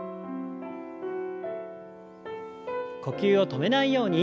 呼吸を止めないように。